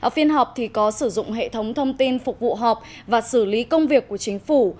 phiên họp có sử dụng hệ thống thông tin phục vụ họp và xử lý công việc của chính phủ